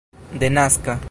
denaska